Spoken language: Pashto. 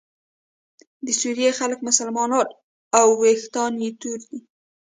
د سوریې خلک مسلمانان او ویښتان یې تور دي.